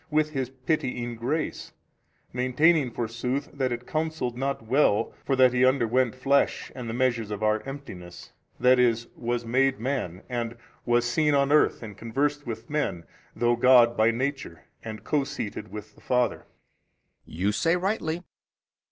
with His Pitying grace, maintaining forsooth that it counselled not well for that He underwent flesh and the measures of our emptiness, i. e. was made man and was seen on earth and conversed with men though God by Nature and co seated with the Father. B. You say rightly.